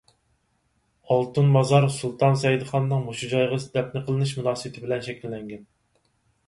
ئالتۇن مازار سۇلتان سەئىدخاننىڭ مۇشۇ جايغا دەپنە قىلىنىش مۇناسىۋىتى بىلەن شەكىللەنگەن.